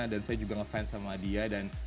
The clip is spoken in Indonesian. dan saya juga ngefans sama dia dan